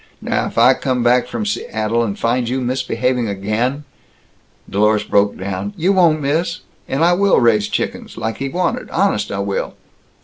Now if I come back from Seattle and find you misbehaving again " Dlorus broke down. "You won't, miss! And I will raise chickens, like he wanted, honest I will!"